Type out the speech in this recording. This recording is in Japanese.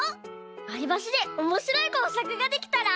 わりばしでおもしろいこうさくができたら。